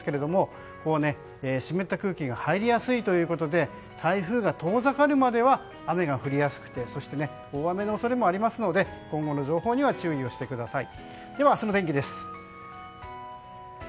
更に雨雲も台風から離れてはいるんですけど湿った空気が入りやすいということで台風が遠ざかるまでは雨が降りやすくてそして大雨の恐れもありますので今後の情報には注意をしてください。